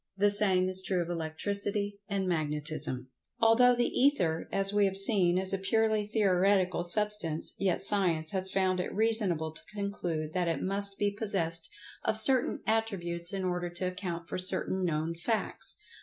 The same is true of Electricity and Magnetism. Although the Ether, as we have seen, is a purely theoretical substance, yet Science has found it reasonable to conclude that it must be possessed of certain attributes in order to account for certain known facts.